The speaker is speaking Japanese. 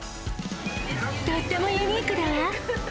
とってもユニークだわ。